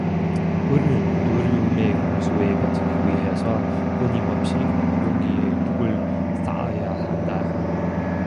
우리는 두려움의 홍수에 버티기 위해서 끊임없이 용기의 둑을 쌓아야 한다.